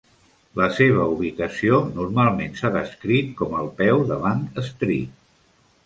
La seva ubicació normalment s'ha descrit com el peu de Bank Street.